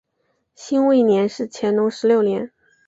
辛未年是乾隆十六年。